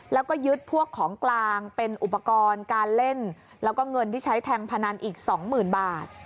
แล้วก็ยึดพวกของกลางเป็นอุปกรณ์การเล่นแล้วก็เงินที่ใช้แทงพนันอีกสองหมื่นบาท